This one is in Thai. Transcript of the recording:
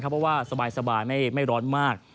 เพราะว่าสบายไม่ร้อนมาก